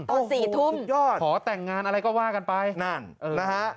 โอ้โหสี่ทุ่มขอแต่งงานอะไรก็ว่ากันไปนั่นนะฮะ